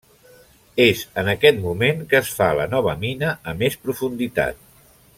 És en aquest moment que es fa la nova mina a més profunditat.